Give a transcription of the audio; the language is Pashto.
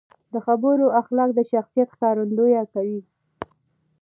د خبرو اخلاق د شخصیت ښکارندويي کوي.